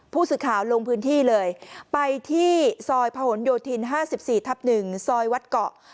ผู้สื่อข่าวลงพื้นที่เลยไปที่ซอยผนโยธิน๕๔ทับ๑ซอยวัดเกาะ